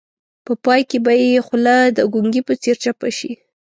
په پای کې به یې خوله د ګونګي په څېر چپه شي.